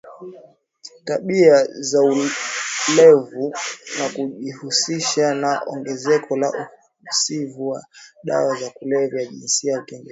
tabia zoelevu na kujihusisha na ongezeko la uhusivu wa dawa za kulevya jinsi utegemezi